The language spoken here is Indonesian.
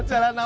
iya nah tidak